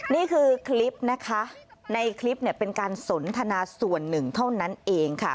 นี่คือคลิปนะคะในคลิปเนี่ยเป็นการสนทนาส่วนหนึ่งเท่านั้นเองค่ะ